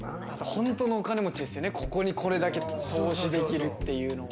本当のお金持ちですよね、ここにこれだけ投資できるというのは。